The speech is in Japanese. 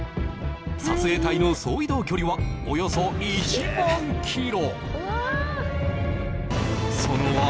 撮影隊の総移動距離はおよそ１万キロ